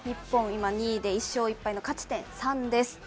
今２位で、１勝１敗の勝ち点３です。